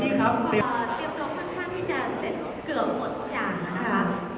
เตรียมตัวค่อนข้างที่จะเสร็จเกือบหมดทุกอย่างนะคะ